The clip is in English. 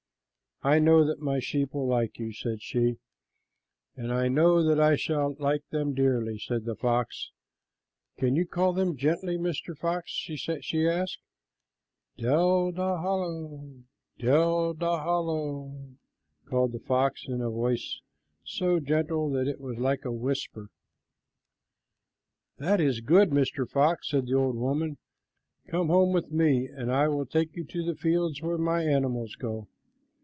"I know that my sheep will like you," said she. "And I know that I shall like them dearly," said the fox. "Can you call them gently, Mr. Fox?" she asked. "Del dal halow, del dal halow," called the fox, in so gentle a voice that it was like a whisper. "That is good, Mr. Fox," said the old woman. "Come home with me, and I will take you to the fields where my animals go."